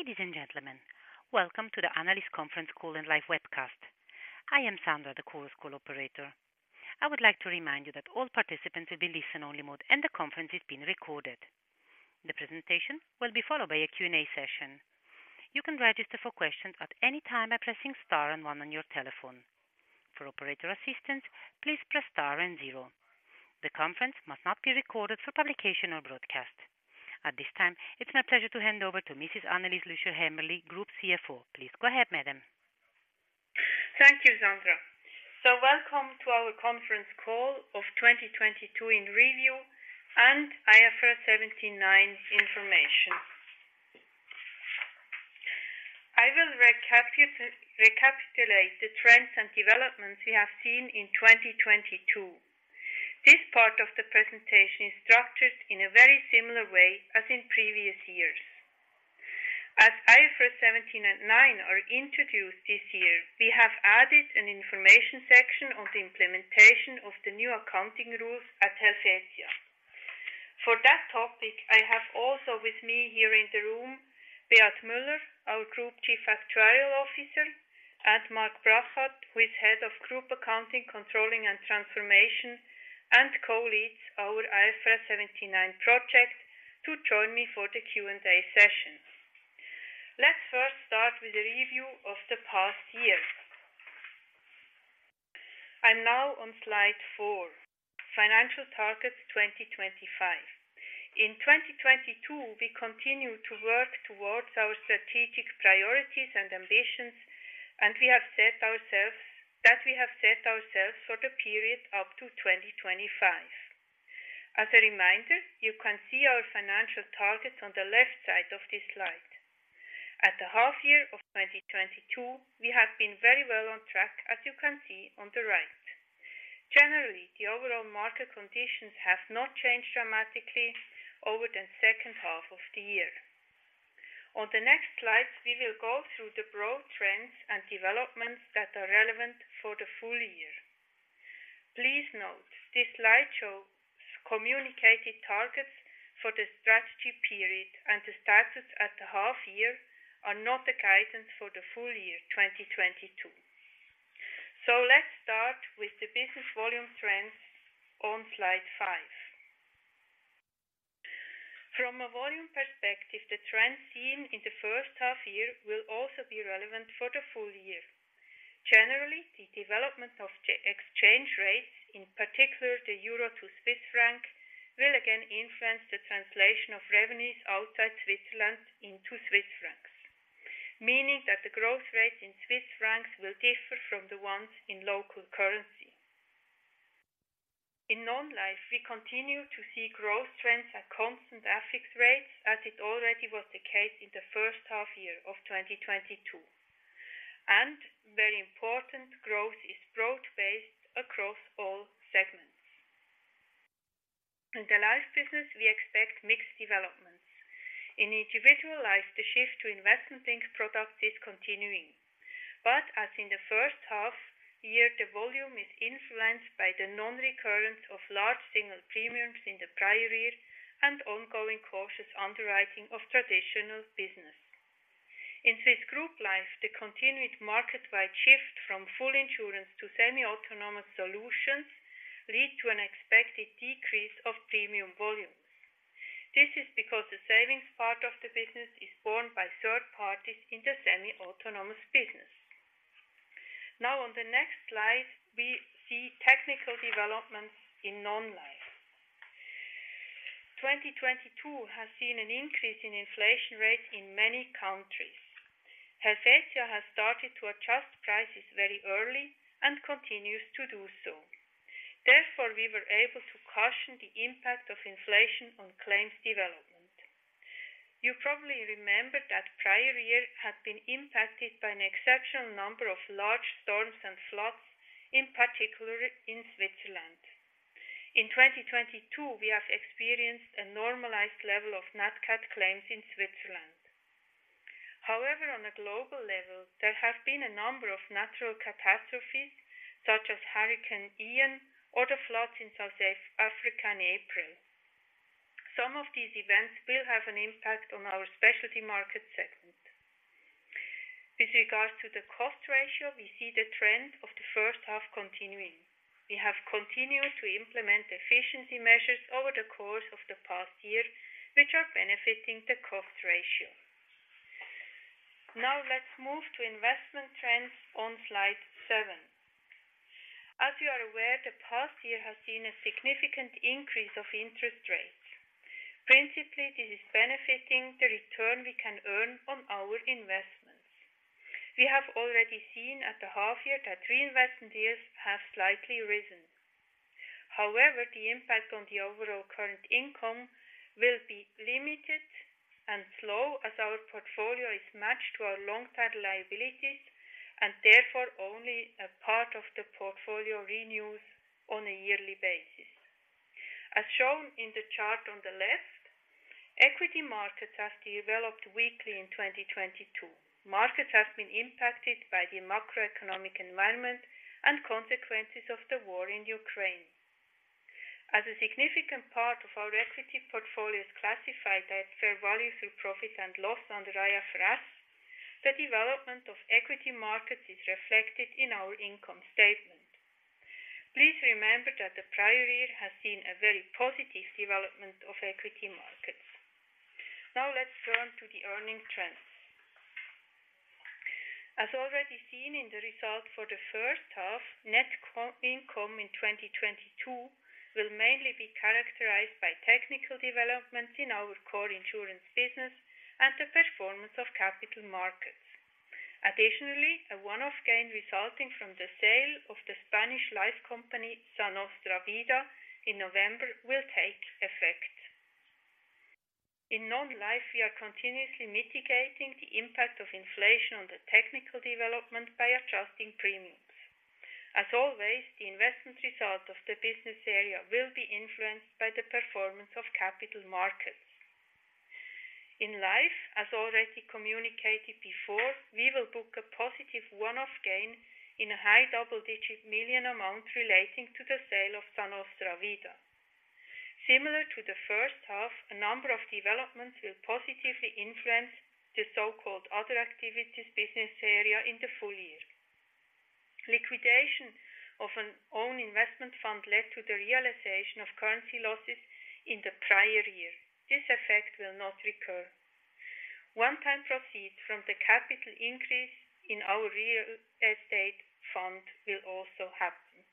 Ladies and gentlemen, welcome to the Analysis Conference Call and Live Webcast. I am Sandra, the call's call operator. I would like to remind you that all participants will be listen only mode and the conference is being recorded. The presentation will be followed by a Q&A session. You can register for questions at any time by pressing star and 1 on your telephone. For operator assistance, please press star and zero. The conference must not be recorded for publication or broadcast. At this time, it's my pleasure to hand over to Mrs. Annelis Lüscher-Hämmerli, Group CFO. Please go ahead, madam. Thank you, Sandra. Welcome to our conference call of 2022 in review and IFRS 17 and 9 information. I will recapitulate the trends and developments we have seen in 2022. This part of the presentation is structured in a very similar way as in previous years. IFRS 17 and 9 are introduced this year, we have added an information section on the implementation of the new accounting rules at Helvetia. For that topic, I have also with me here in the room Beat Müller, our Group Chief Actuarial Officer, and Marc Brachat, who is Head of Group Accounting, Controlling and Transformation, and co-leads our IFRS 17 and 9 project to join me for the Q&A session. Let's first start with a review of the past year. I'm now on slide four, financial targets 2025. In 2022, we continue to work towards our strategic priorities and ambitions, and we have set ourselves for the period up to 2025. As a reminder, you can see our financial targets on the left side of this slide. At the half year of 2022, we have been very well on track, as you can see on the right. Generally, the overall market conditions have not changed dramatically over the second half of the year. On the next slide, we will go through the broad trends and developments that are relevant for the full year. Please note, this slide shows communicated targets for the strategy period and the status at the half year are not a guidance for the full year 2022. Let's start with the business volume trends on slide five. From a volume perspective, the trend seen in the first half year will also be relevant for the full year. Generally, the development of the exchange rates, in particular the euro to Swiss franc, will again influence the translation of revenues outside Switzerland into CHF. Meaning that the growth rate in CHF will differ from the ones in local currency. In non-life, we continue to see growth trends at constant FX rates as it already was the case in the first half year of 2022. Very important, growth is broad-based across all segments. In the life business, we expect mixed developments. In individual lives, the shift to investment-linked product is continuing. As in the first half year, the volume is influenced by the non-recurrence of large single premiums in the prior year and ongoing cautious underwriting of traditional business. In Swiss group life, the continued market-wide shift from full insurance to semi-autonomous solutions lead to an expected decrease of premium volumes. This is because the savings part of the business is borne by third parties in the semi-autonomous business. On the next slide, we see technical developments in non-life. 2022 has seen an increase in inflation rates in many countries. Helvetia has started to adjust prices very early and continues to do so. Therefore, we were able to cushion the impact of inflation on claims development. You probably remember that prior year had been impacted by an exceptional number of large storms and floods, in particular in Switzerland. In 2022, we have experienced a normalized level of nat cat claims in Switzerland. On a global level, there have been a number of natural catastrophes such as Hurricane Ian or the floods in South Africa in April. Some of these events will have an impact on our specialty market segment. With regards to the cost ratio, we see the trend of the first half continuing. We have continued to implement efficiency measures over the course of the past year, which are benefiting the cost ratio. Let's move to investment trends on slide seven. As you are aware, the past year has seen a significant increase of interest rates. This is benefiting the return we can earn on our investments. We have already seen at the half year that reinvestment yields have slightly risen. The impact on the overall current income will be limited and slow as our portfolio is matched to our long-term liabilities and therefore only a part of the portfolio renews on a yearly basis. As shown in the chart on the left, equity markets have developed weakly in 2022. Markets have been impacted by the macroeconomic environment and consequences of the war in Ukraine. As a significant part of our equity portfolios classified at fair value through profit and loss under IFRS, the development of equity markets is reflected in our income statement. Please remember that the prior year has seen a very positive development of equity markets. Let's turn to the earnings trends. As already seen in the results for the first half, net income in 2022 will mainly be characterized by technical developments in our core insurance business and the performance of capital markets. Additionally, a one-off gain resulting from the sale of the Spanish life company, Sa Nostra Vida, in November will take effect. In non-life, we are continuously mitigating the impact of inflation on the technical development by adjusting premiums. As always, the investment result of the business area will be influenced by the performance of capital markets. In life, as already communicated before, we will book a positive one-off gain in a CHF high double-digit million amount relating to the sale of Sa Nostra Vida. Similar to the first half, a number of developments will positively influence the so-called other activities business area in the full year. Liquidation of an own investment fund led to the realization of currency losses in the prior year. This effect will not recur. One-time proceeds from the capital increase in our real estate fund will also happen.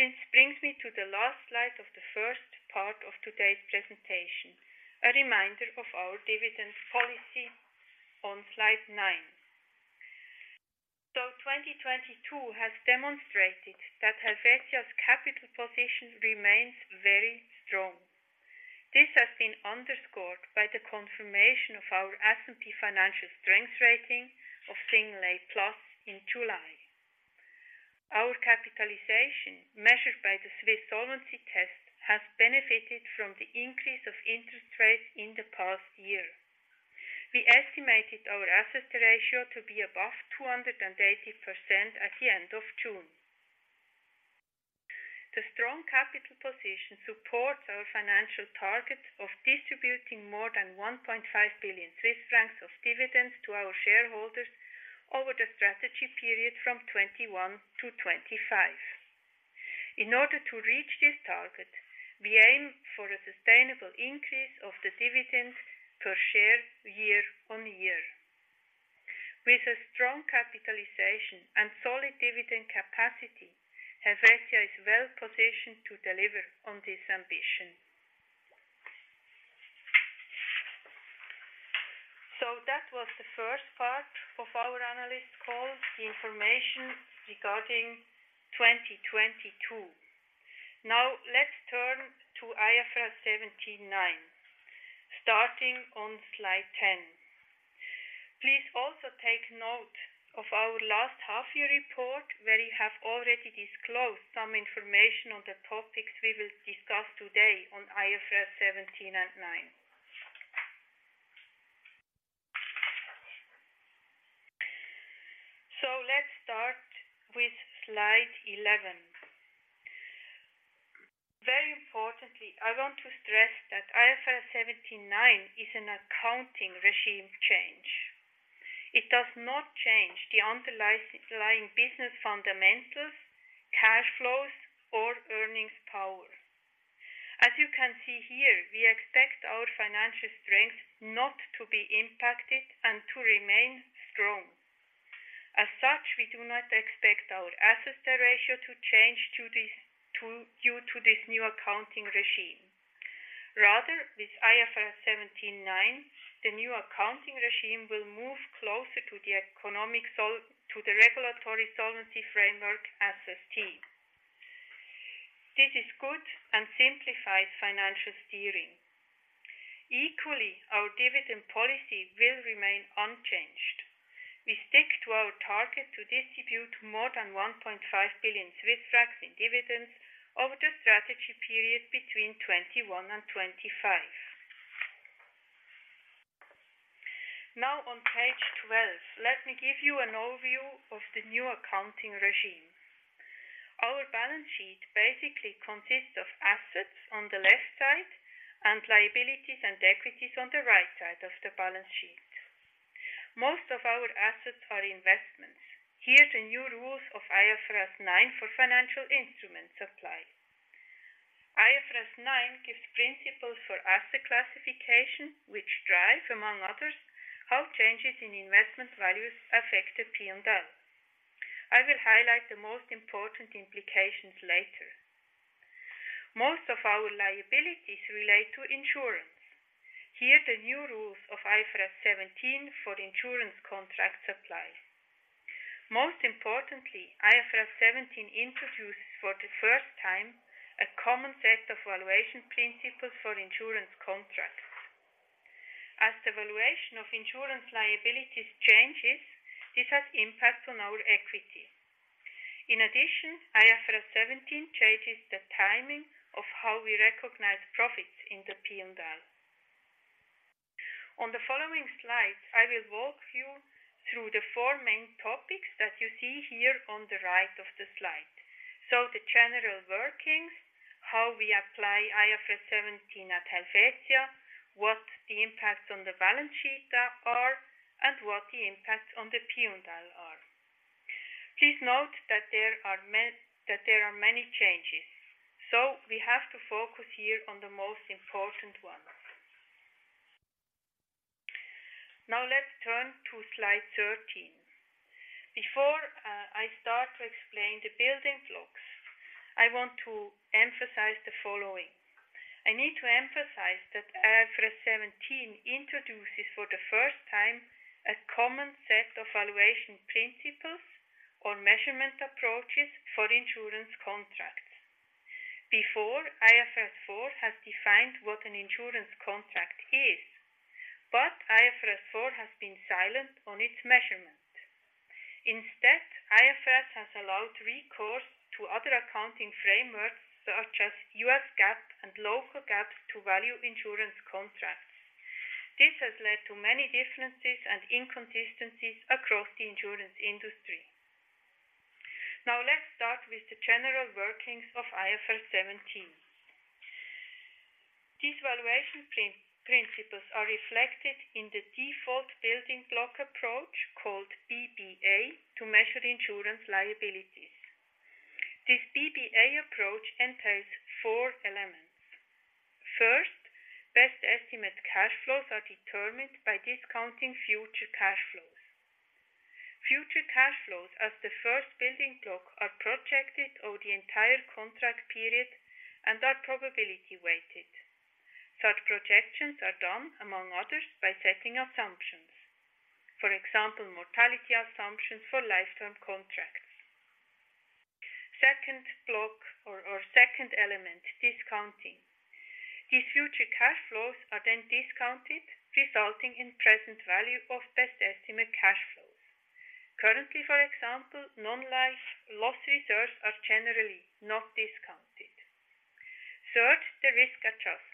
This brings me to the last slide of the first part of today's presentation, a reminder of our dividend policy on slide nine. 2022 has demonstrated that Helvetia's capital position remains very strong. This has been underscored by the confirmation of our S&P financial strength rating of A+ in July. Our capitalization, measured by the Swiss Solvency Test, has benefited from the increase of interest rates in the past year. We estimated our asset ratio to be above 280% at the end of June. The strong capital position supports our financial target of distributing more than 1.5 billion Swiss francs of dividends to our shareholders over the strategy period from 2021-2025. In order to reach this target, we aim for a sustainable increase of the dividends per share year-on-year. With a strong capitalization and solid dividend capacity, Helvetia is well-positioned to deliver on this ambition. That was the first part of our analyst call, the information regarding 2022. Now let's turn to IFRS 17 and 9, starting on slide 10. Please also take note of our last half-year report, where we have already disclosed some information on the topics we will discuss today on IFRS 17 and 9. Let's start with slide 11. Very importantly, I want to stress that IFRS 17 and 9 is an accounting regime change. It does not change the underlying business fundamentals, cash flows or earnings power. As you can see here, we expect our financial strength not to be impacted and to remain strong. As such, we do not expect our asset ratio to change due to this new accounting regime. With IFRS 17 and 9, the new accounting regime will move closer to the regulatory solvency framework, SST. This is good and simplifies financial steering. Equally, our dividend policy will remain unchanged. We stick to our target to distribute more than 1.5 billion Swiss francs in dividends over the strategy period between 2021 and 2025. On page 12, let me give you an overview of the new accounting regime. Our balance sheet basically consists of assets on the left side and liabilities and equities on the right side of the balance sheet. Most of our assets are investments. The new rules of IFRS 9 for financial instruments apply. IFRS 9 gives principles for asset classification which drive, among others, how changes in investment values affect the P&L. I will highlight the most important implications later. Most of our liabilities relate to insurance. Here, the new rules of IFRS 17 for insurance contracts apply. IFRS 17 introduces for the first time a common set of valuation principles for insurance contracts. As the valuation of insurance liabilities changes, this has impact on our equity. In addition, IFRS 17 changes the timing of how we recognize profits in the P&L. On the following slides, I will walk you through the four main topics that you see here on the right of the slide. The general workings, how we apply IFRS 17 at Helvetia, what the impact on the balance sheet are, and what the impact on the P&L are. Please note that there are many changes. We have to focus here on the most important ones. Let's turn to slide 13. Before I start to explain the building blocks, I want to emphasize the following. I need to emphasize that IFRS 17 introduces for the first time a common set of valuation principles or measurement approaches for insurance contracts. Before, IFRS 4 has defined what an insurance contract is. IFRS 4 has been silent on its measurement. Instead, IFRS has allowed recourse to other accounting frameworks such as US GAAP and local GAAP to value insurance contracts. This has led to many differences and inconsistencies across the insurance industry. Let's start with the general workings of IFRS 17. These valuation principles are reflected in the default building block approach called PBA to measure insurance liabilities. This PBA approach entails four elements. First, best estimate cash flows are determined by discounting future cash flows. Future cash flows as the first building block are projected over the entire contract period and are probability weighted. Such projections are done among others by setting assumptions. For example, mortality assumptions for lifetime contracts. Second block or second element, discounting. These future cash flows are then discounted, resulting in present value of best estimate cash flows. Currently, for example, non-life loss reserves are generally not discounted. Third, the risk adjustment.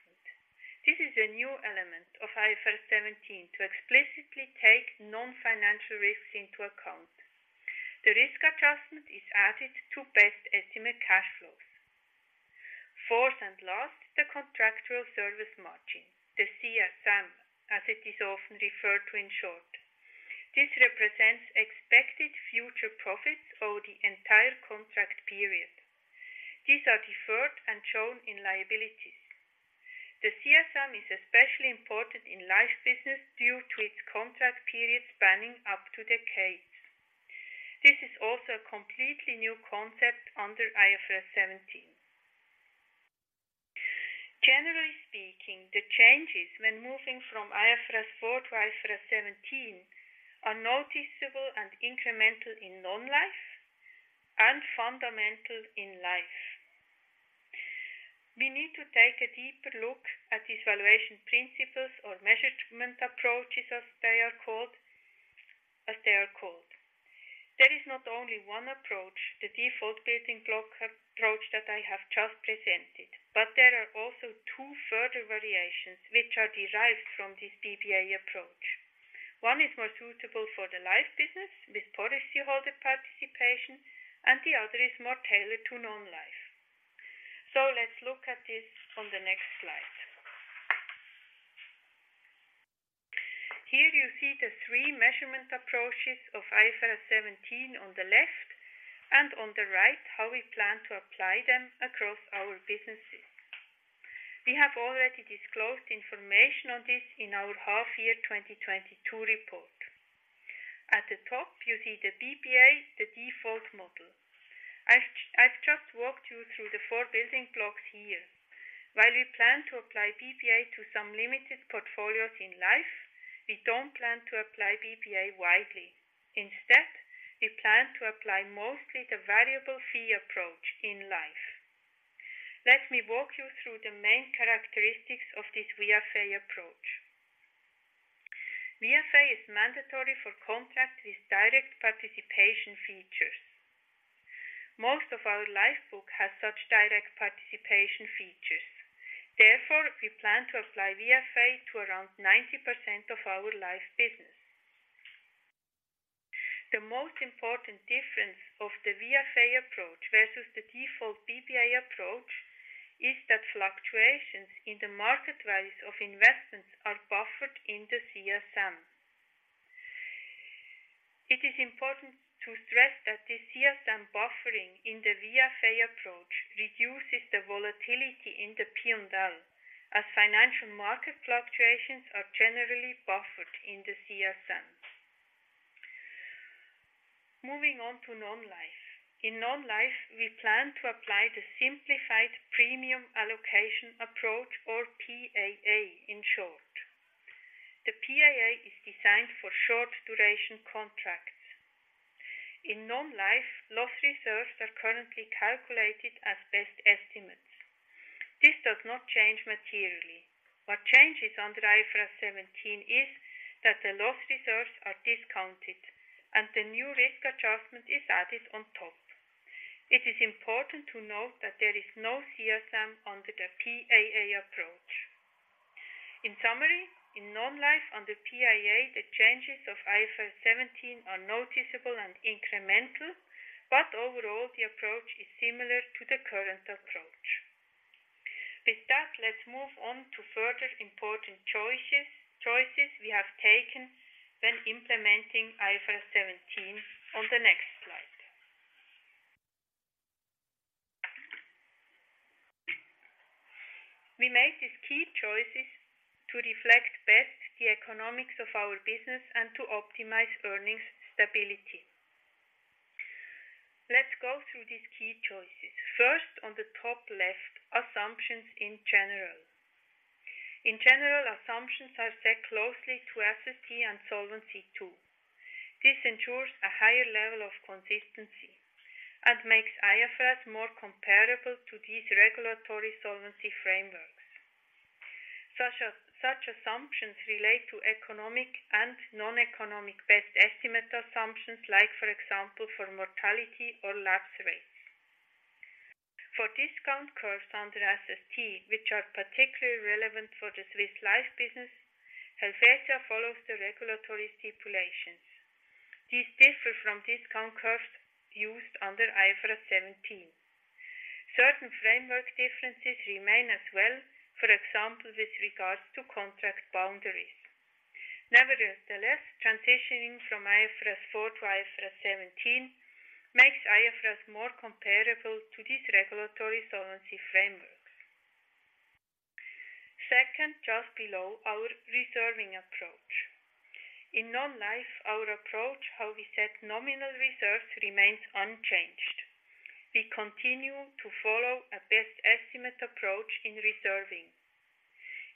This is a new element of IFRS 17 to explicitly take non-financial risks into account. The risk adjustment is added to best estimate cash flows. Fourth and last, the contractual service margin, the CSM, as it is often referred to in short. This represents expected future profits over the entire contract period. These are deferred and shown in liabilities. The CSM is especially important in life business due to its contract period spanning up to decades. This is also a completely new concept under IFRS 17. Generally speaking, the changes when moving from IFRS 4 to IFRS 17 are noticeable and incremental in non-life and fundamental in life. We need to take a deeper look at these valuation principles or measurement approaches as they are called. There is not only one approach, the default building block a-approach that I have just presented. There are also two further variations which are derived from this PBA approach. One is more suitable for the life business with policyholder participation and the other is more tailored to non-life. Let's look at this on the next slide. Here you see the three measurement approaches of IFRS 17 on the left, and on the right, how we plan to apply them across our businesses. We have already disclosed information on this in our half year 2022 report. At the top, you see the PBA, the default model. I've just walked you through the four building blocks here. While we plan to apply PBA to some limited portfolios in life, we don't plan to apply PBA widely. Instead, we plan to apply mostly the variable fee approach in life. Let me walk you through the main characteristics of this VFA approach. VFA is mandatory for contracts with direct participation features. Most of our life book has such direct participation features. Therefore, we plan to apply VFA to around 90% of our life business. The most important difference of the VFA approach versus the default PBA approach is that fluctuations in the market values of investments are buffered in the CSM. It is important to stress that this CSM buffering in the VFA approach reduces the volatility in the P&L as financial market fluctuations are generally buffered in the CSM. Moving on to non-life. In non-life, we plan to apply the simplified Premium Allocation Approach or PAA in short. The PAA is designed for short-duration contracts. In non-life, loss reserves are currently calculated as best estimates. This does not change materially. What changes under IFRS 17 is that the loss reserves are discounted and the new risk adjustment is added on top. It is important to note that there is no CSM under the PAA approach. In summary, in non-life under PAA, the changes of IFRS 17 are noticeable and incremental, but overall, the approach is similar to the current approach. Let's move on to further important choices we have taken when implementing IFRS 17 on the next slide. We made these key choices to reflect best the economics of our business and to optimize earnings stability. Let's go through these key choices. First, on the top left, assumptions in general. In general, assumptions are set closely to SST and Solvency II. This ensures a higher level of consistency and makes IFRS more comparable to these regulatory solvency frameworks. Such assumptions relate to economic and non-economic best estimate assumptions like, for example, for mortality or lapse rates. For discount curves under SST, which are particularly relevant for the Swiss life business, Helvetia follows the regulatory stipulations. These differ from discount curves used under IFRS 17. Certain framework differences remain as well. For example, with regards to contract boundaries. Transitioning from IFRS 4 to IFRS 17 makes IFRS more comparable to these regulatory solvency frameworks. Second, just below, our reserving approach. In non-life, our approach, how we set nominal reserves remains unchanged. We continue to follow a best estimate approach in reserving.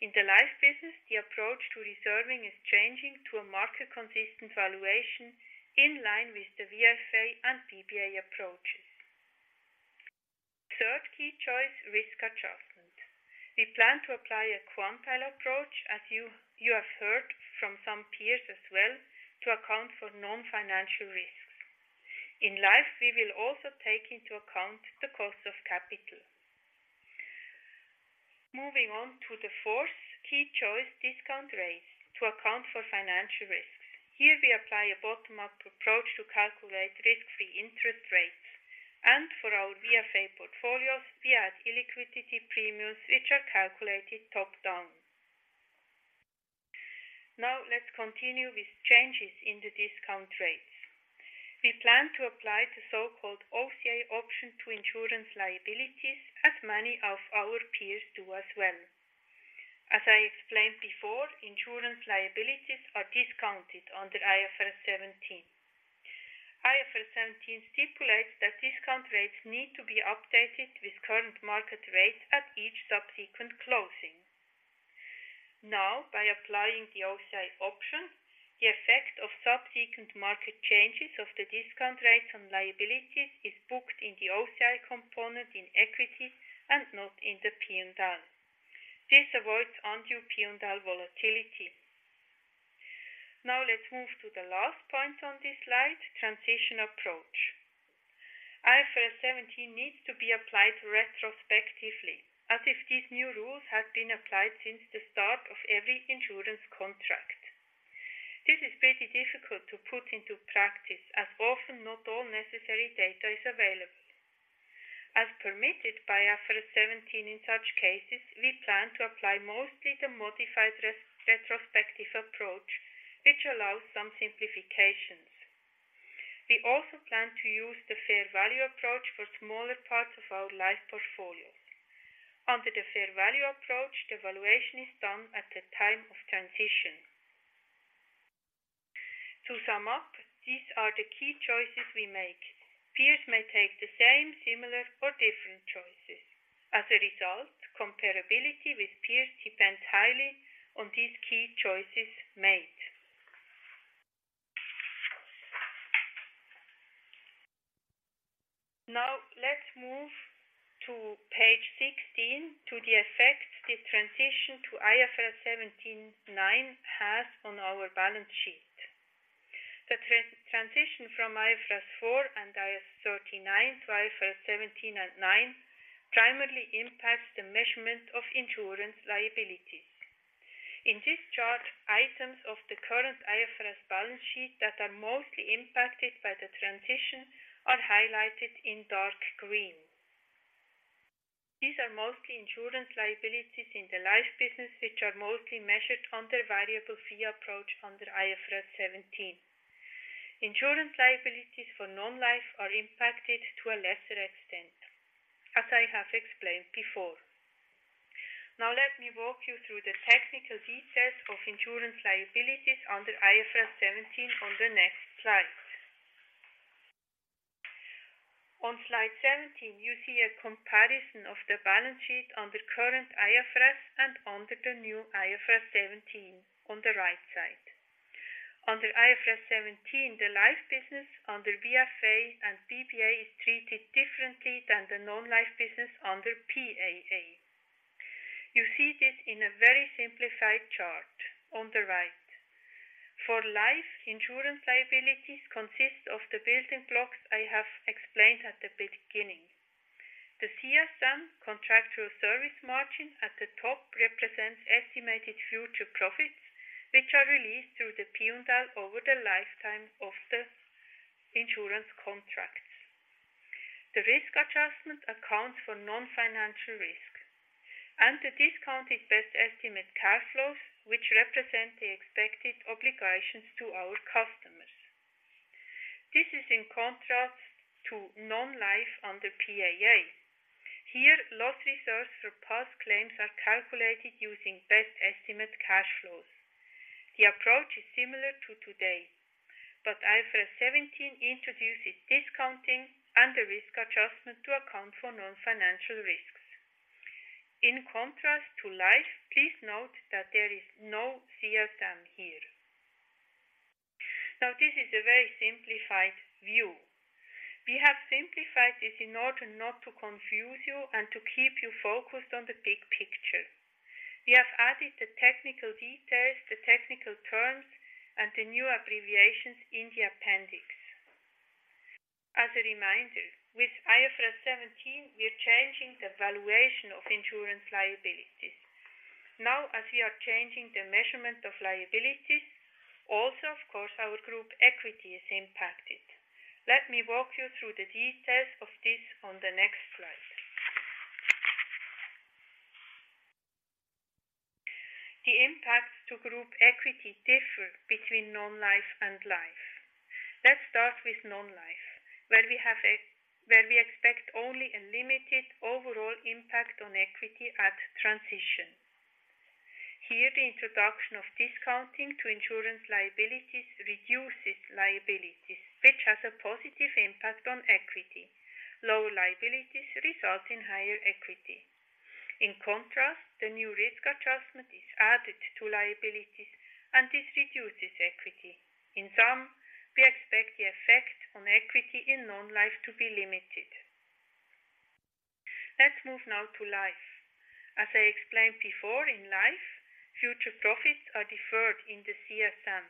In the life business, the approach to reserving is changing to a market-consistent valuation in line with the VFA and PBA approaches. Third key choice, risk adjustment. We plan to apply a quantile approach, as you have heard from some peers as well, to account for non-financial risks. In life, we will also take into account the cost of capital. Moving on to the fourth key choice, discount rates to account for financial risks. Here we apply a bottom-up approach to calculate risk-free interest rates. For our VFA portfolios, we add illiquidity premiums, which are calculated top-down. Let's continue with changes in the discount rates. We plan to apply the so-called OCI option to insurance liabilities, as many of our peers do as well. As I explained before, insurance liabilities are discounted under IFRS 17. IFRS 17 stipulates that discount rates need to be updated with current market rates at each subsequent closing. By applying the OCI option, the effect of subsequent market changes of the discount rates on liabilities is booked in the OCI component in equity and not in the P&L. This avoids undue P&L volatility. Let's move to the last point on this slide, transition approach. IFRS 17 needs to be applied retrospectively as if these new rules had been applied since the start of every insurance contract. This is pretty difficult to put into practice as often not all necessary data is available. As permitted by IFRS 17 in such cases, we plan to apply mostly the modified retrospective approach, which allows some simplifications. We also plan to use the fair value approach for smaller parts of our life portfolio. Under the fair value approach, the valuation is done at the time of transition. To sum up, these are the key choices we make. Peers may take the same, similar or different choices. Result, comparability with peers depends highly on these key choices made. Let's move to page 16 to the effect the transition to IFRS 17 and 9 has on our balance sheet. The transition from IFRS 4 and IAS 39 to IFRS 17 and 9 primarily impacts the measurement of insurance liabilities. In this chart, items of the current IFRS balance sheet that are mostly impacted by the transition are highlighted in dark green. These are mostly insurance liabilities in the life business, which are mostly measured under variable fee approach under IFRS 17. Insurance liabilities for non-life are impacted to a lesser extent, as I have explained before. Let me walk you through the technical details of insurance liabilities under IFRS 17 on the next slide. On slide 17, you see a comparison of the balance sheet under current IFRS and under the new IFRS 17 on the right side. Under IFRS 17, the life business under VFA and PBA is treated differently than the non-life business under PAA. In a very simplified chart on the right. For life, insurance liabilities consist of the building blocks I have explained at the beginning. The CSM, contractual service margin, at the top represents estimated future profits, which are released through the P&L over the lifetime of the insurance contracts. The risk adjustment accounts for non-financial risk. The discounted best estimate cash flows, which represent the expected obligations to our customers. This is in contrast to non-life under PAA. Here, loss reserves for past claims are calculated using best estimate cash flows. The approach is similar to today. IFRS 17 introduces discounting and the risk adjustment to account for non-financial risks. In contrast to life, please note that there is no CSM here. This is a very simplified view. We have simplified this in order not to confuse you and to keep you focused on the big picture. We have added the technical details, the technical terms, and the new abbreviations in the appendix. As a reminder, with IFRS 17, we are changing the valuation of insurance liabilities. As we are changing the measurement of liabilities, also, of course, our group equity is impacted. Let me walk you through the details of this on the next slide. The impacts to group equity differ between non-life and life. Let's start with non-life, where we expect only a limited overall impact on equity at transition. Here, the introduction of discounting to insurance liabilities reduces liabilities, which has a positive impact on equity. Lower liabilities result in higher equity. In contrast, the new risk adjustment is added to liabilities, and this reduces equity. In sum, we expect the effect on equity in non-life to be limited. Let's move now to life. As I explained before, in life, future profits are deferred in the CSM.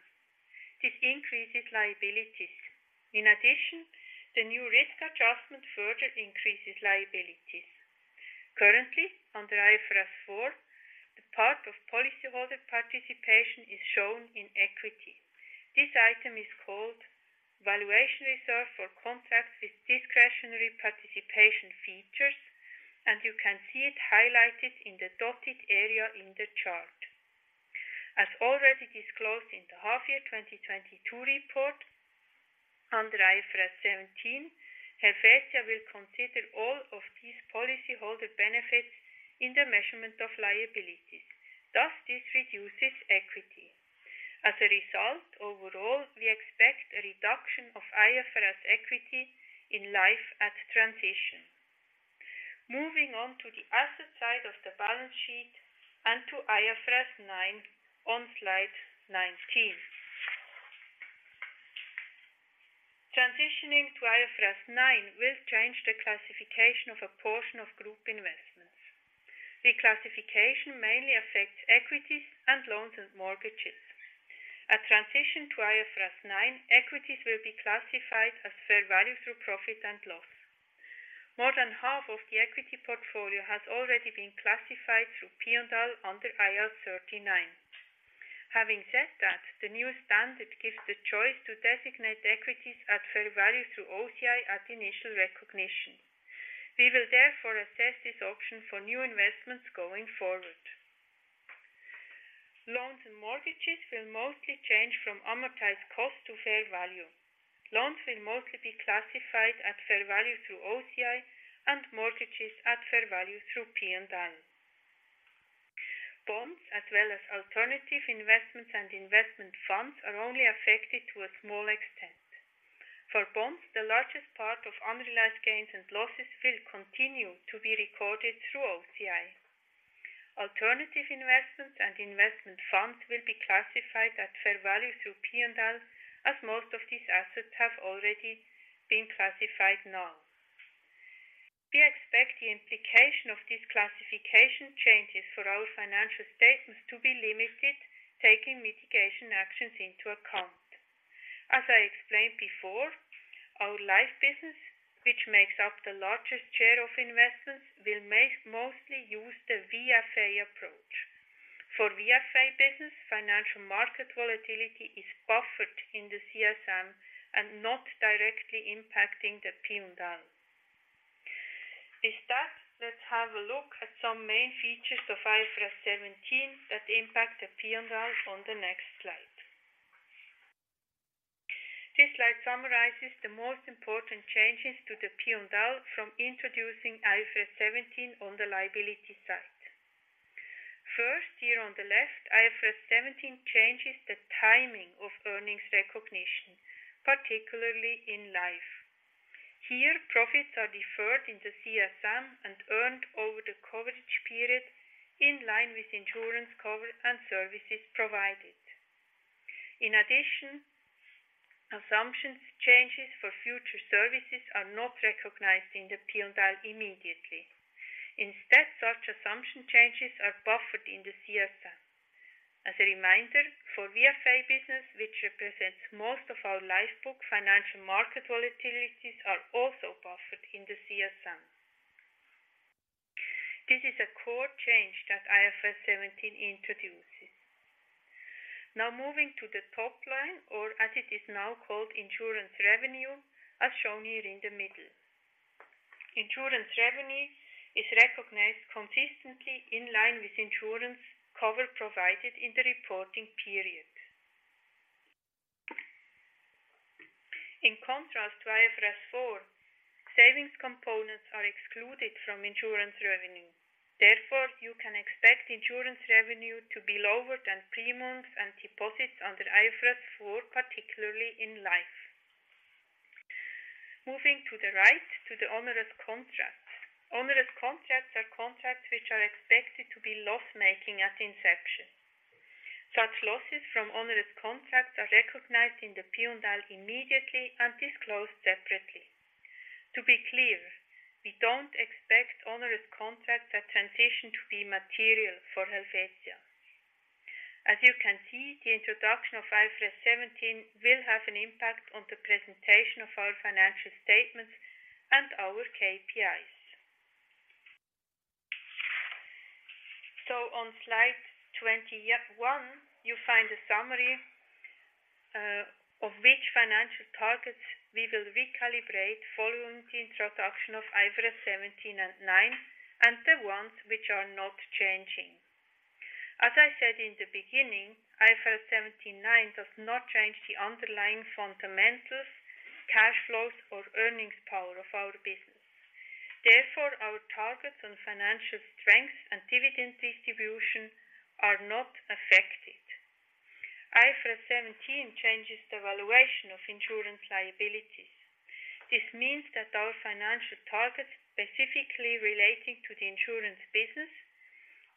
This increases liabilities. In addition, the new risk adjustment further increases liabilities. Currently, under IFRS 4, the part of policyholder participation is shown in equity. This item is called valuation reserve for contracts with discretionary participation features. You can see it highlighted in the dotted area in the chart. As already disclosed in the half year 2022 report, under IFRS 17, Helvetia will consider all of these policyholder benefits in the measurement of liabilities. This reduces equity. As a result, overall, we expect a reduction of IFRS equity in life at transition. Moving on to the asset side of the balance sheet and to IFRS 9 on slide 19. Transitioning to IFRS 9 will change the classification of a portion of group investments. The classification mainly affects equities and loans and mortgages. At transition to IFRS 9, equities will be classified as fair value through profit and loss. More than half of the equity portfolio has already been classified through P&L under IAS 39. Having said that, the new standard gives the choice to designate equities at fair value through OCI at initial recognition. We will therefore assess this option for new investments going forward. Loans and mortgages will mostly change from amortized cost to fair value. Loans will mostly be classified at fair value through OCI and mortgages at fair value through P&L. Bonds as well as alternative investments and investment funds are only affected to a small extent. For bonds, the largest part of unrealized gains and losses will continue to be recorded through OCI. Alternative investments and investment funds will be classified at fair value through P&L, as most of these assets have already been classified null. We expect the implication of these classification changes for our financial statements to be limited, taking mitigation actions into account. As I explained before, our life business, which makes up the largest share of investments, will mostly use the VFA approach. For VFA business, financial market volatility is buffered in the CSM and not directly impacting the P&L. Let's have a look at some main features of IFRS 17 that impact the P&L on the next slide. This slide summarizes the most important changes to the P&L from introducing IFRS 17 on the liability side. First, here on the left, IFRS 17 changes the timing of earnings recognition, particularly in life. Here, profits are deferred in the CSM and earned over the coverage period in line with insurance cover and services provided. Assumptions changes for future services are not recognized in the P&L immediately. Such assumption changes are buffered in the CSM. As a reminder, for VFA business, which represents most of our life book, financial market volatilities are also buffered in the CSM. This is a core change that IFRS 17 introduces. Moving to the top line, or as it is now called, insurance revenue, as shown here in the middle. Insurance revenue is recognized consistently in line with insurance cover provided in the reporting period. In contrast to IFRS 4, savings components are excluded from insurance revenue. You can expect insurance revenue to be lower than premiums and deposits under IFRS 4, particularly in life. Moving to the right to the onerous contracts. Onerous contracts are contracts which are expected to be loss-making at inception. Such losses from onerous contracts are recognized in the P&L immediately and disclosed separately. To be clear, we don't expect onerous contracts at transition to be material for Helvetia. As you can see, the introduction of IFRS 17 will have an impact on the presentation of our financial statements and our KPIs. On slide 21, you find a summary of which financial targets we will recalibrate following the introduction of IFRS 17 and 9 and the ones which are not changing. As I said in the beginning, IFRS 17 and 9 does not change the underlying fundamentals, cash flows, or earnings power of our business. Our targets on financial strength and dividend distribution are not affected. IFRS 17 changes the valuation of insurance liabilities. This means that our financial targets specifically relating to the insurance business,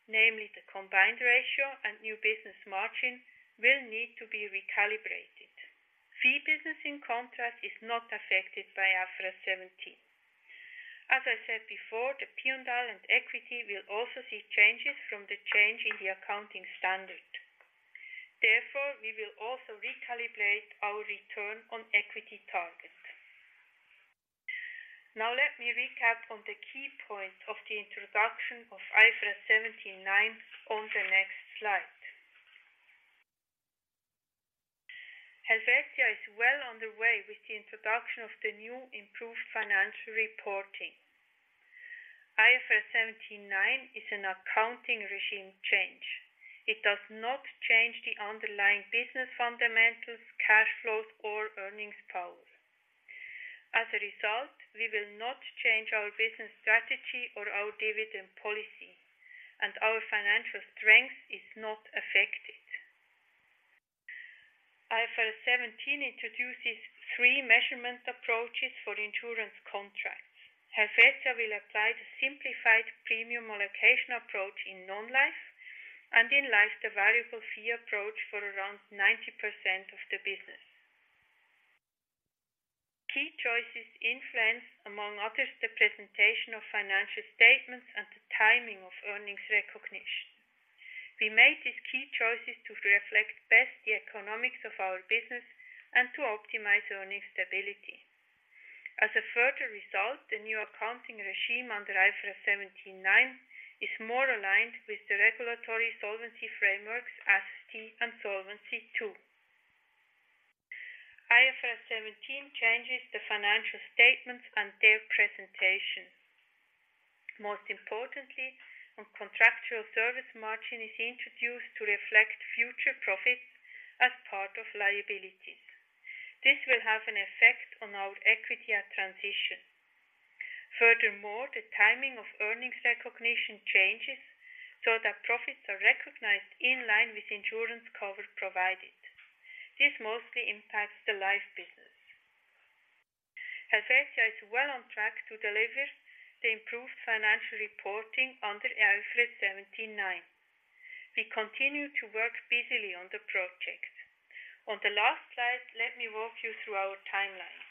namely the combined ratio and new business margin, will need to be recalibrated. Fee business, in contrast, is not affected by IFRS 17. As I said before, the P&L and equity will also see changes from the change in the accounting standard. We will also recalibrate our return on equity target. Let me recap on the key points of the introduction of IFRS 17 and 9 on the next slide. Helvetia is well on the way with the introduction of the new improved financial reporting. IFRS 17 and 9 is an accounting regime change. It does not change the underlying business fundamentals, cash flows, or earnings power. As a result, we will not change our business strategy or our dividend policy, and our financial strength is not affected. IFRS 17 introduces three measurement approaches for insurance contracts. Helvetia will apply the simplified premium allocation approach in non-life, and in life, the variable fee approach for around 90% of the business. Key choices influence, among others, the presentation of financial statements and the timing of earnings recognition. We made these key choices to reflect best the economics of our business and to optimize earnings stability. As a further result, the new accounting regime under IFRS 17 and 9 is more aligned with the regulatory solvency frameworks, SST and Solvency II. IFRS 17 changes the financial statements and their presentation. Most importantly, a contractual service margin is introduced to reflect future profits as part of liabilities. This will have an effect on our equity at transition. Furthermore, the timing of earnings recognition changes so that profits are recognized in line with insurance cover provided. This mostly impacts the life business. Helvetia is well on track to deliver the improved financial reporting under IFRS 17 and 9. We continue to work busily on the project. On the last slide, let me walk you through our timeline.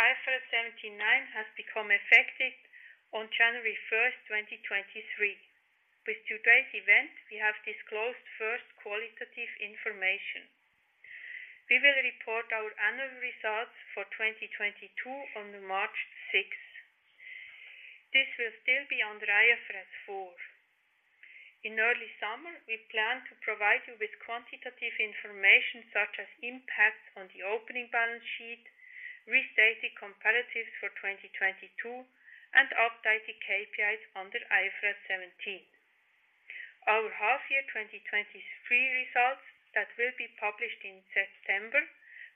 IFRS 17 and 9 has become effective on January 1st, 2023. With today's event, we have disclosed first qualitative information. We will report our annual results for 2022 on the March 6th. This will still be under IFRS 4. In early summer, we plan to provide you with quantitative information such as impact on the opening balance sheet, restated comparatives for 2022, and updated KPIs under IFRS 17. Our half year 2023 results that will be published in September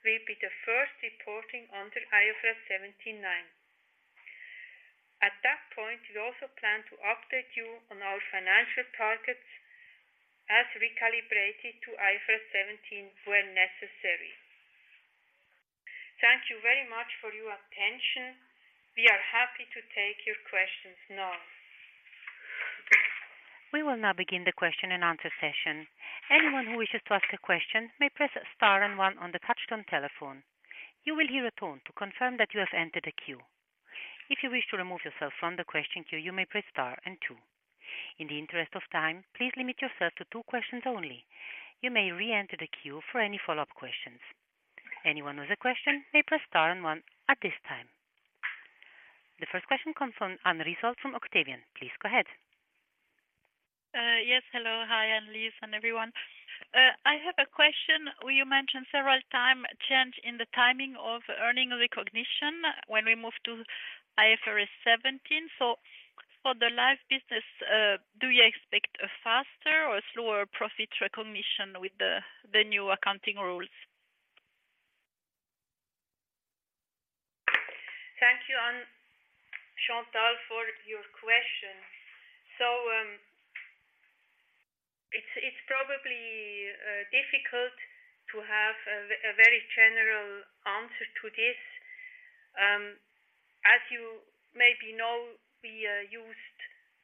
will be the first reporting under IFRS 17 and 9. At that point, we also plan to update you on our financial targets as recalibrated to IFRS 17 where necessary. Thank you very much for your attention. We are happy to take your questions now. We will now begin the question and answer session. Anyone who wishes to ask a question may press star and one on the touch-tone telephone. You will hear a tone to confirm that you have entered a queue. If you wish to remove yourself from the question queue, you may press star and two. In the interest of time, please limit yourself to two questions only. You may re-enter the queue for any follow-up questions. Anyone with a question may press star and one at this time. The first question comes from Anne-Chantal Risold from Octavian. Please go ahead. Yes, hello. Hi, Annelis and everyone. I have a question. You mentioned several time change in the timing of earning recognition when we move to IFRS 17. For the life business, do you expect a faster or slower profit recognition with the new accounting rules? Thank you, Anne-Chantal, for your question. It's probably difficult to have a very general answer to this. As you maybe know, we used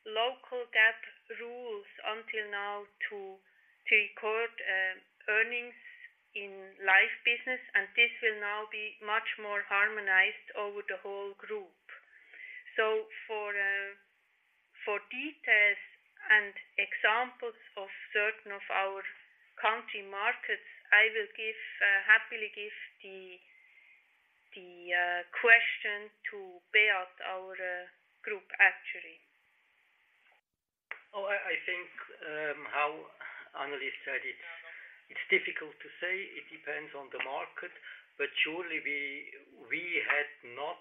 local GAAP rules until now to record earnings in life business, and this will now be much more harmonized over the whole group. For details and examples of certain of our country markets, I will happily give the question to Beat, our Group Actuary. I think, how Annelis said it. It's difficult to say. It depends on the market, but surely we had not,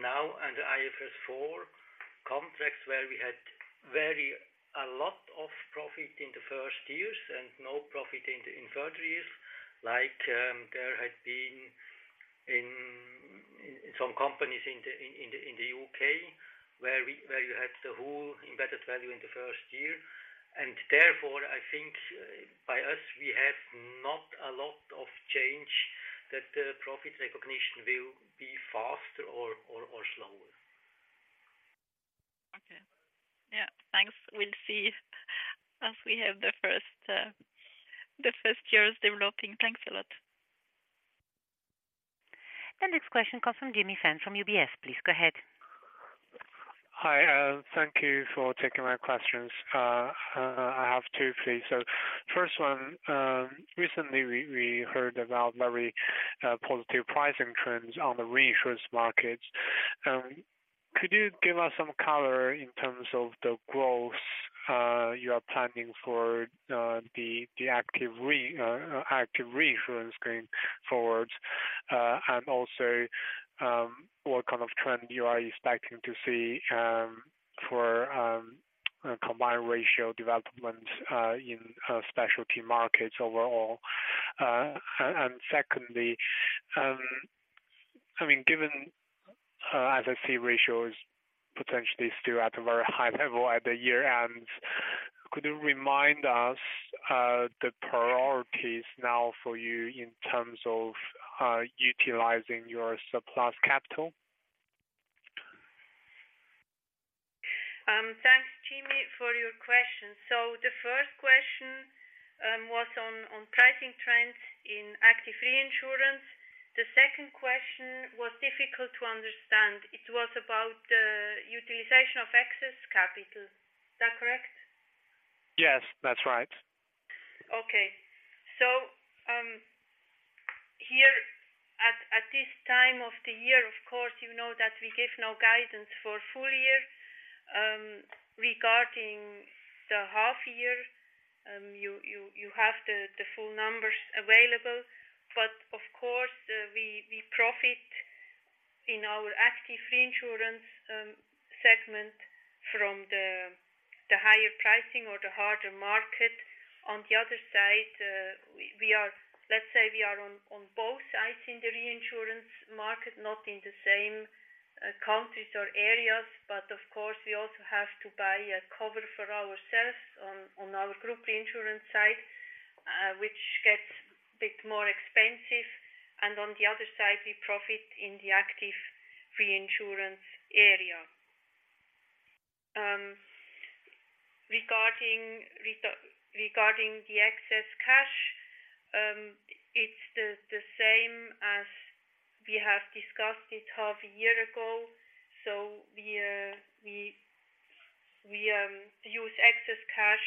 now under IFRS 4 contracts where we had a lot of profit in the first years and no profit in the third years. Like, there had been in some companies in the UK where you had the whole embedded value in the first year. Therefore, I think by us, we have not a lot of change that the profit recognition will be faster or slower. Thanks. We'll see as we have the first years developing. Thanks a lot. The next question comes from Johnny Fan from UBS. Please go ahead. Hi, thank you for taking my questions. I have two, please. First one, recently we heard about very positive pricing trends on the reinsurance markets. Could you give us some color in terms of the growth you are planning for the active reinsurance going forwards? Also, what kind of trend you are expecting to see for combined ratio development in specialty markets overall? Secondly, I mean, given SST ratios potentially still at a very high level at the year-end, could you remind us the priorities now for you in terms of utilizing your surplus capital? Thanks, Johnny, for your question. The first question was on pricing trends in active reinsurance. The second question was difficult to understand. It was about utilization of excess capital. Is that correct? Yes, that's right. Here at this time of the year, of course, you know that we give no guidance for full year. Regarding the half year, you have the full numbers available. Of course, we profit in our active reinsurance segment from the higher pricing or the harder market. On the other side, let's say we are on both sides in the reinsurance market, not in the same countries or areas, but of course we also have to buy a cover for ourselves on our group reinsurance side, which gets a bit more expensive. On the other side, we profit in the active reinsurance area. Regarding the excess cash, it's the same as we have discussed it half a year ago. We use excess cash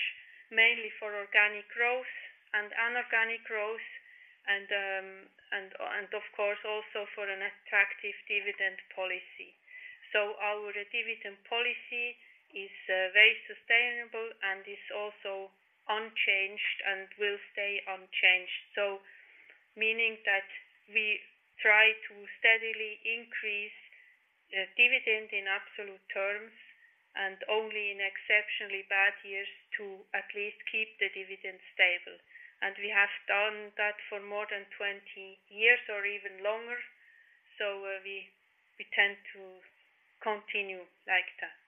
mainly for organic growth and inorganic growth and of course also for an attractive dividend policy. Our dividend policy is very sustainable and is also unchanged and will stay unchanged. Meaning that we try to steadily increase the dividend in absolute terms and only in exceptionally bad years to at least keep the dividend stable. We have done that for more than 20 years or even longer. We tend to continue like that.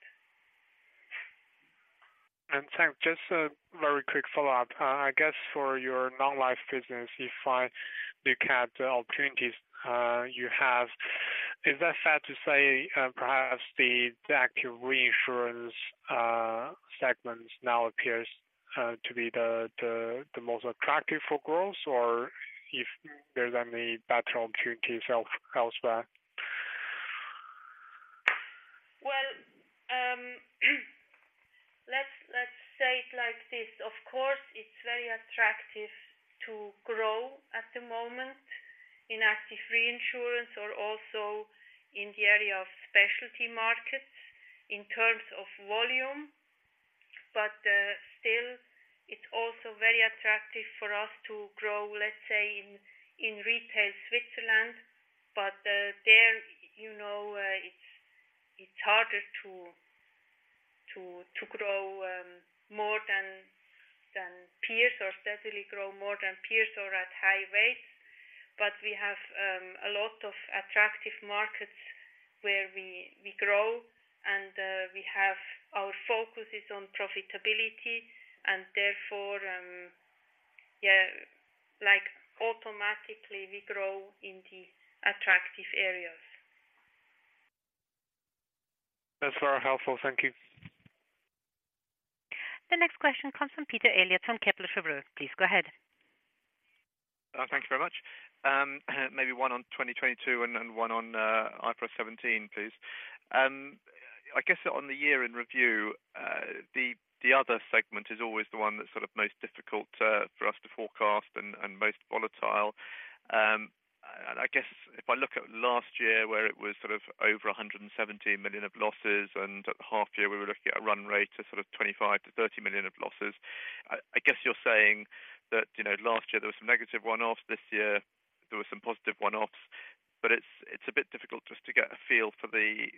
Thanks. Just a very quick follow-up. I guess for your non-life business, if I look at the opportunities, you have, is that fair to say, perhaps the active reinsurance segments now appears to be the most attractive for growth? Or if there's any better opportunities elsewhere? Well, let's say it like this. Of course, it's very attractive to grow at the moment in active reinsurance or also in the area of specialty markets in terms of volume. Still, it's also very attractive for us to grow, let's say, in retail Switzerland. There, you know, it's harder to grow more than peers, or steadily grow more than peers or at high rates. We have a lot of attractive markets where we grow and Our focus is on profitability and therefore, yeah, like, automatically we grow in the attractive areas. That's very helpful. Thank you. The next question comes from Peter Eliot from Kepler Cheuvreux. Please go ahead. Thank you very much. Maybe one on 2022 and one on IFRS 17, please. I guess on the year-end review, the other segment is always the one that's sort of most difficult for us to forecast and most volatile. I guess if I look at last year where it was sort of over 117 million of losses, and at the half year we were looking at a run rate of sort of 25 million to 30 million of losses. I guess you're saying that, you know, last year there was some negative one-offs, this year there were some positive one-offs, but it's a bit difficult just to get a feel for the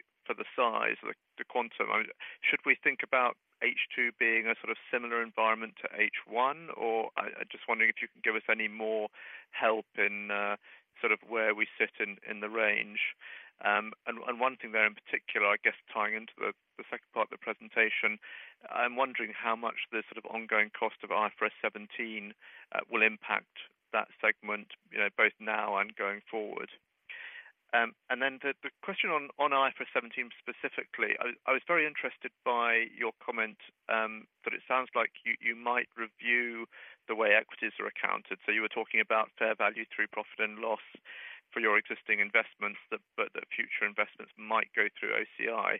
size, the quantum. I mean, should we think about H2 being a sort of similar environment to H1? I just wondering if you can give us any more help in sort of where we sit in the range? One thing there in particular, I guess tying into the second part of the presentation, I'm wondering how much the sort of ongoing cost of IFRS 17 will impact that segment, you know, both now and going forward? The question on IFRS 17 specifically, I was very interested by your comment that it sounds like you might review the way equities are accounted. You were talking about fair value through profit and loss for your existing investments that but the future investments might go through OCI.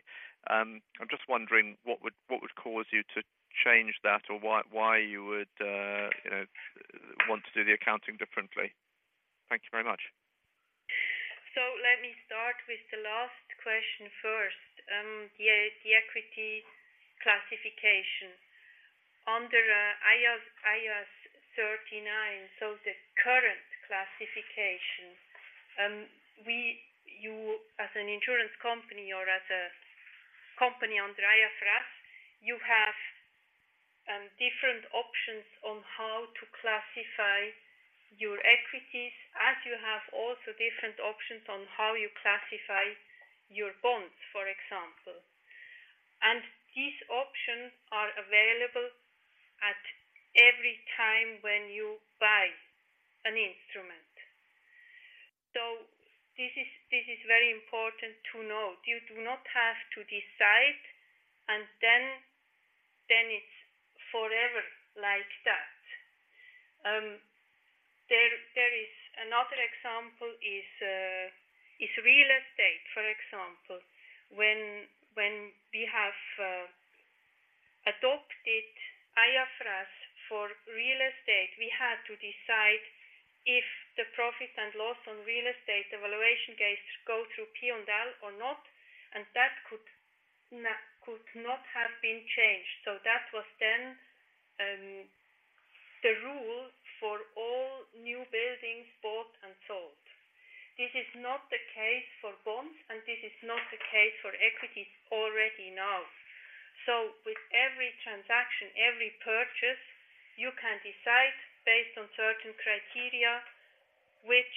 I'm just wondering what would cause you to change that? Why you would, you know, want to do the accounting differently? Thank you very much. Let me start with the last question first. Yeah, the equity classification. Under IAS 39, so the current classification, you as an insurance company or as a company under IFRS, you have different options on how to classify your equities, as you have also different options on how you classify your bonds, for example. These options are available at every time when you buy an instrument. This is very important to note. You do not have to decide, then it's forever like that. There is another example is real estate, for example. When we have adopted IFRS for real estate, we had to decide if the profit and loss on real estate evaluation gains go through P&L or not, and that could not have been changed. That was the rule for all new buildings bought and sold. This is not the case for bonds, this is not the case for equities already now. With every transaction, every purchase, you can decide based on certain criteria which,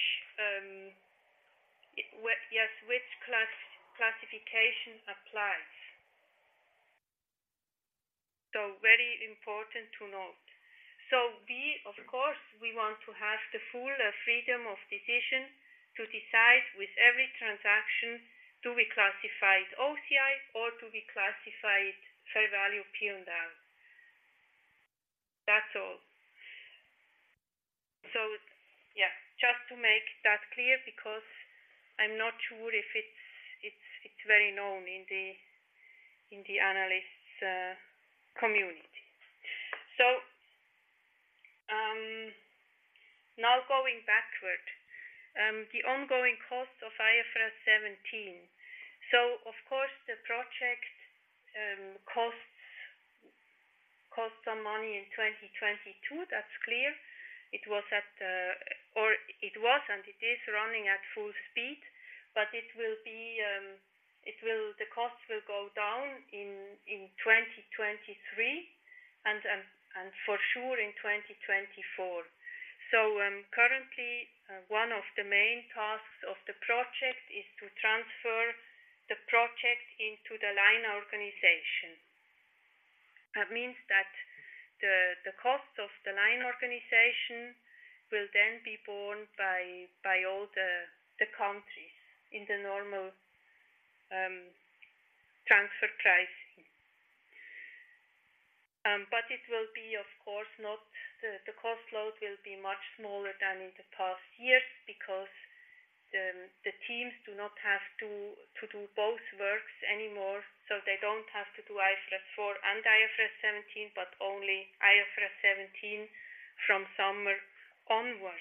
yes, which classification applies. Very important to note. We, of course, we want to have the full freedom of decision to decide with every transaction, do we classify it OCI or do we classify it fair value P&L? That's all. Just to make that clear, because I'm not sure if it's, it's very known in the, in the analysts community. Now going backward. The ongoing cost of IFRS 17 of course the project costs some money in 2022. That's clear. It was at, or it was and it is running at full speed. It will be, the cost will go down in 2023 and, for sure in 2024. Currently, one of the main tasks of the project is to transfer the project into the line organization. That means that the cost of the line organization will then be borne by all the countries in the normal, transfer pricing. It will be, of course, the cost load will be much smaller than in the past years because the teams do not have to do both works anymore, so they don't have to do IFRS 4 and IFRS 17, but only IFRS 17 from summer onwards.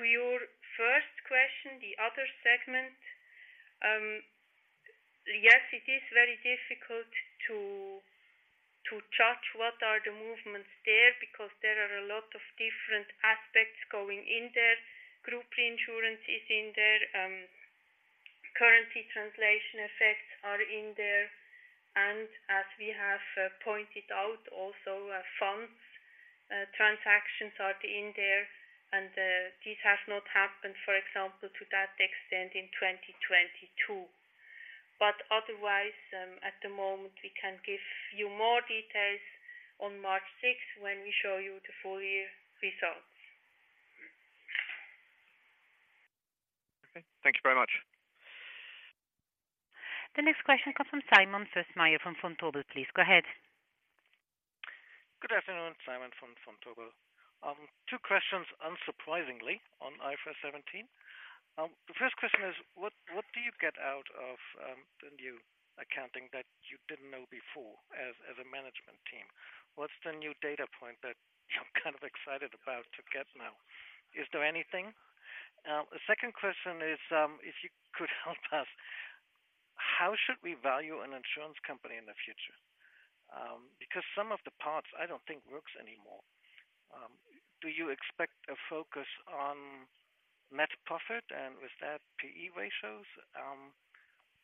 To your first question, the other segment, yes, it is very difficult to judge what are the movements there because there are a lot of different aspects going in there. Group reinsurance is in there. Currency translation effects are in there. As we have pointed out also, funds transactions are in there. These have not happened, for example, to that extent in 2022. Otherwise, at the moment, we can give you more details on March sixth when we show you the full year results. Okay. Thank you very much. The next question comes from Simon Lue-Fong from Vontobel. Please go ahead. Good afternoon. Simon from Vontobel. Two questions, unsurprisingly, on IFRS 17. The first question is: what do you get out of the new accounting that you didn't know before as a management team? What's the new data point that you're kind of excited about to get now? Is there anything? The second question is, if you could help us, how should we value an insurance company in the future? Because some of the parts I don't think works anymore. Do you expect a focus on net profit and with that P/E ratios?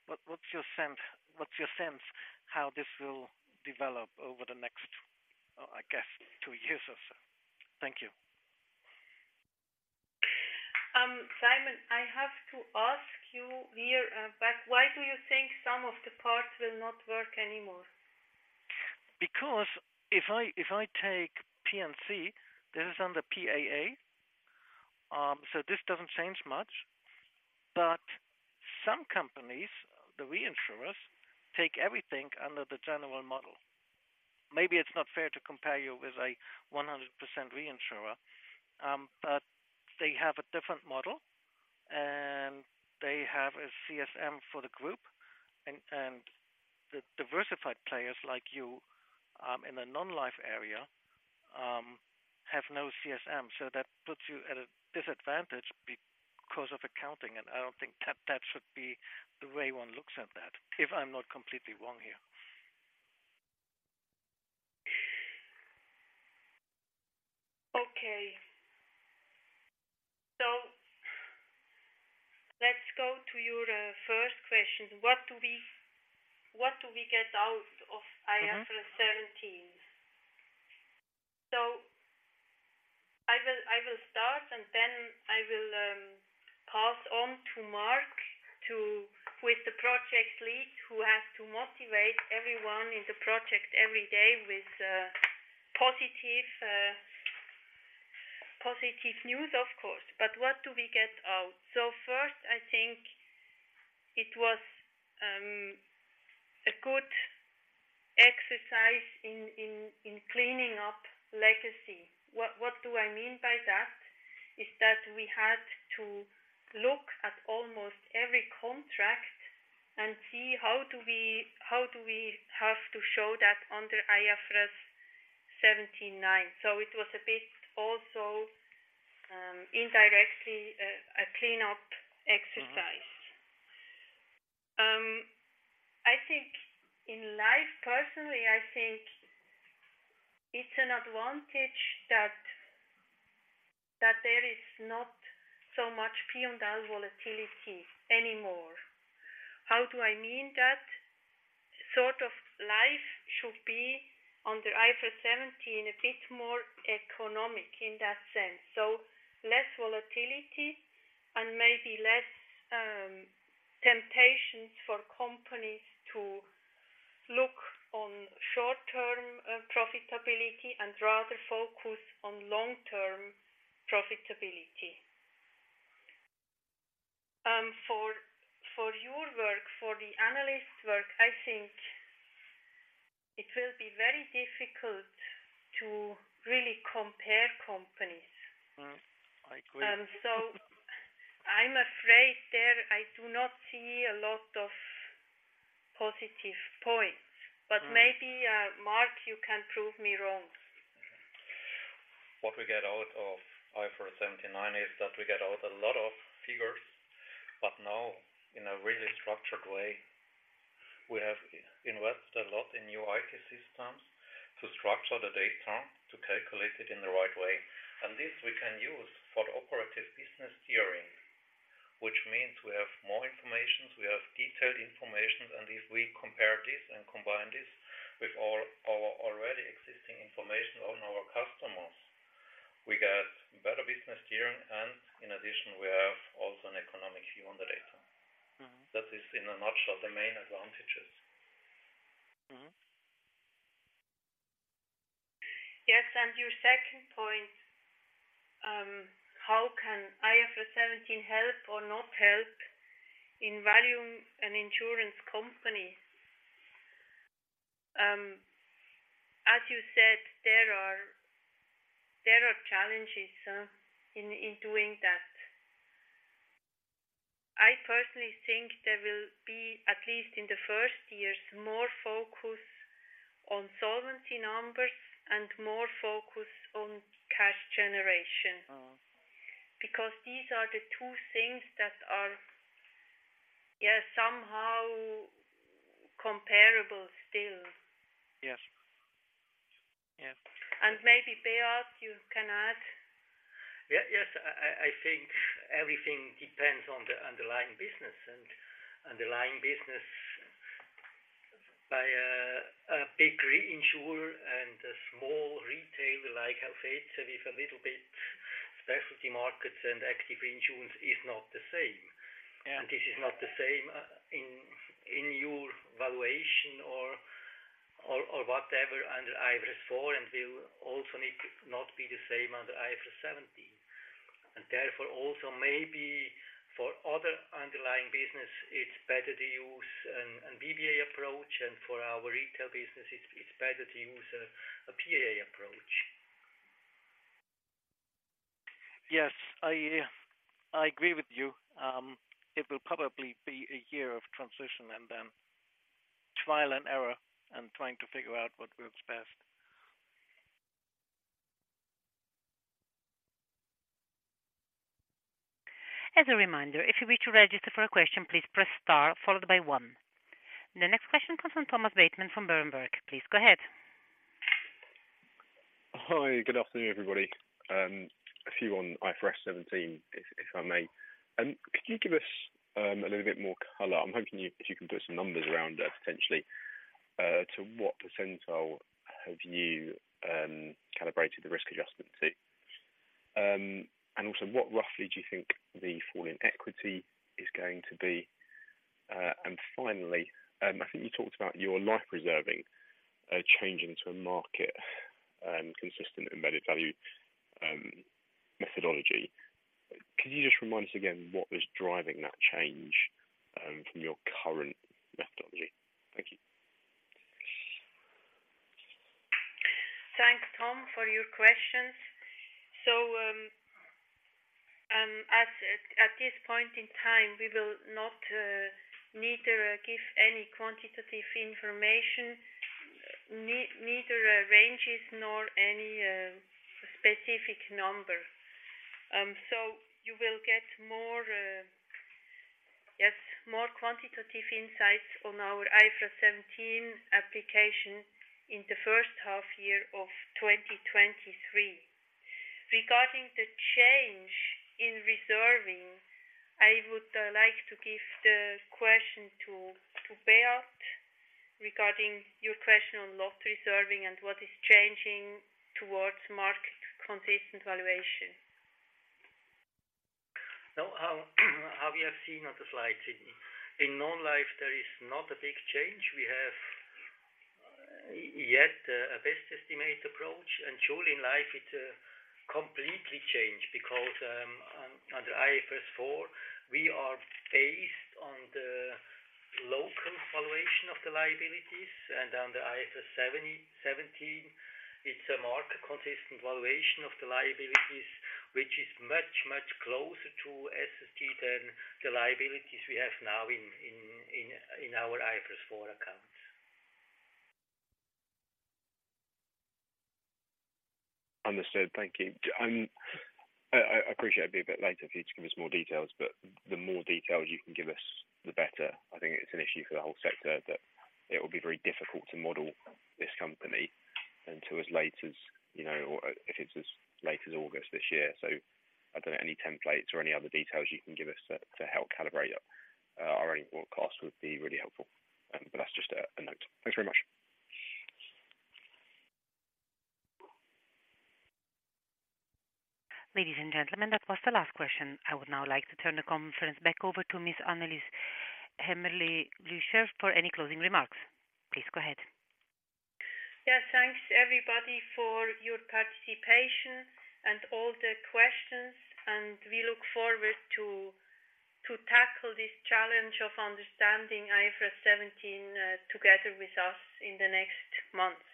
What's your sense how this will develop over the next, I guess, two years or so? Thank you. Simon, I have to ask you here, back, why do you think some of the parts will not work anymore? If I, if I take P&C, this is under PAA, so this doesn't change much. Some companies, the reinsurers, take everything under the general model. Maybe it's not fair to compare you with a 100% reinsurer, but they have a different model, and they have a CSM for the group. The diversified players like you, in the non-life area, have no CSM. That puts you at a disadvantage because of accounting. I don't think that that should be the way one looks at that, if I'm not completely wrong here. Let's go to your first question. What do we get out of IFRS 17? I will start, and then I will pass on to Marc with the project lead, who has to motivate everyone in the project every day with positive news, of course. What do we get out? First, I think it was a good exercise in cleaning up legacy. What do I mean by that? Is that we had to look at almost every contract and see how do we have to show that under IFRS 17 and 9. It was a bit also indirectly a cleanup exercise. Mm-hmm. I think in life, personally, I think it's an advantage that there is not so much P&L volatility anymore. How do I mean that? Sort of life should be under IFRS 17 a bit more economic in that sense. Less volatility and maybe less temptations for companies to look on short-term profitability and rather focus on long-term profitability. For your work, for the analyst work, I think it will be very difficult to really compare companies. Mm. I agree. I'm afraid there I do not see a lot of positive points. Mm. Maybe, Mark, you can prove me wrong. What we get out of IFRS 17 and 9 is that we get out a lot of figures, but now in a really structured way. We have invested a lot in new IT systems to structure the data, to calculate it in the right way. This we can use for the operative business steering. Which means we have more information, we have detailed information. If we compare this and combine this with all our already existing information on our customers, we get better business steering. In addition, we have also an economic view on the data. Mm-hmm. That is, in a nutshell, the main advantages. Mm-hmm. Yes. Your second point, how can IFRS 17 help or not help in valuing an insurance company? As you said, there are challenges in doing that. I personally think there will be, at least in the first years, more focus on solvency numbers and more focus on cash generation. Oh. These are the two things that are somehow comparable still. Yes. Yeah. Maybe, Beat, you can add. Yes. I think everything depends on the underlying business. Underlying business by a big reinsurer and a small retail like Helvetia with a little bit specialty markets and active insurance is not the same. Yeah. This is not the same, in your valuation or whatever under IFRS 4, and will also need to not be the same under IFRS 17. Therefore, also, maybe for other underlying business, it's better to use an VFA approach, and for our retail business, it's better to use a PAA approach. Yes. I agree with you. It will probably be a year of transition and then trial and error and trying to figure out what works best. As a reminder, if you wish to register for a question, please press star followed by one. The next question comes from Thomas Bateman from Berenberg. Please go ahead. Hi. Good afternoon, everybody. A few on IFRS 17, if I may. Could you give us a little bit more color? I'm hoping if you can put some numbers around potentially to what percentile have you calibrated the risk adjustment to? Also, what roughly do you think the fall in equity is going to be? Finally, I think you talked about your life reserving changing to a market consistent embedded value methodology. Could you just remind us again what was driving that change from your current methodology? Thank you. Thanks, Tom, for your questions. As at this point in time, we will not neither give any quantitative information, neither ranges nor any specific number. You will get more, yes, more quantitative insights on our IFRS 17 application in the first half-year of 2023. Regarding the change in reserving, I would like to give the question to Beat regarding your question on loss reserving and what is changing towards market-consistent valuation. How we have seen on the slides, in non-life, there is not a big change. We have yet a best estimate approach. Surely in life it completely change because under IFRS 4, we are based on the local valuation of the liabilities. Under IFRS 17, it's a market-consistent valuation of the liabilities, which is much, much closer to SST than the liabilities we have now in our IFRS 4 accounts. Understood. Thank you. I appreciate it'll be a bit later for you to give us more details, but the more details you can give us, the better. I think it's an issue for the whole sector, that it will be very difficult to model this company until as late as, you know, or if it's as late as August this year. I don't know, any templates or any other details you can give us to help calibrate our own forecast would be really helpful. That's just a note. Thanks very much. Ladies and gentlemen, that was the last question. I would now like to turn the conference back over to Ms. Annelis Lüscher-Hämmerli for any closing remarks. Please go ahead. Yeah. Thanks, everybody, for your participation and all the questions. We look forward to tackle this challenge of understanding IFRS 17 together with us in the next months.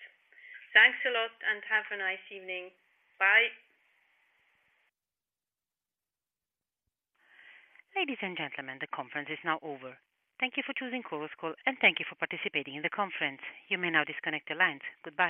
Thanks a lot. Have a nice evening. Bye. Ladies and gentlemen, the conference is now over. Thank you for choosing Chorus Call, and thank you for participating in the conference. You may now disconnect the lines. Goodbye.